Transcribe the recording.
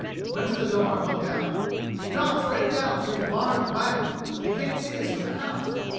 He went to the door and looked out. "If we drop straight down between the barn and the wagon, they can't see us from the house."